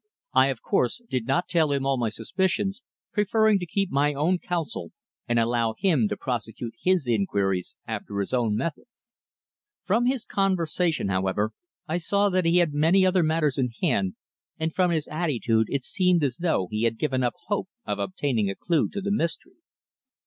I, of course, did not tell him all my suspicions, preferring to keep my own counsel and allow him to prosecute his inquiries after his own method. From his conversation, however, I saw that he had many other matters in hand, and from his attitude it seemed as though he had given up hope of obtaining a clue to the mystery.